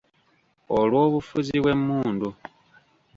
Olw’obufuzi bw’emmundu.